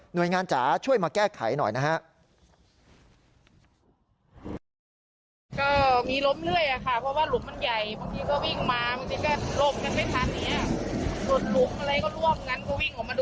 โดยงานจ๋าช่วยมาแก้ไขหน่อยนะฮะ